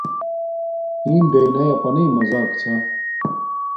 حِݵم ڈݵئنݳئی اَپَنݵئ مزݳک چھݳ.